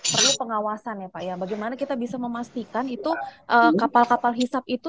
perlu pengawasan ya pak ya bagaimana kita bisa memastikan itu kapal kapal hisap itu